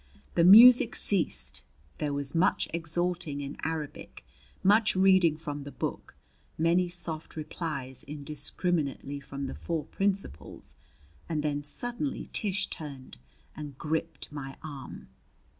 The music ceased, there was much exhorting in Arabic, much reading from the book, many soft replies indiscriminately from the four principals and then suddenly Tish turned and gripped my arm.